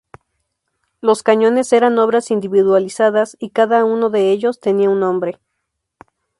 Los cañones eran obras individualizadas y cada uno de ellos tenía un nombre.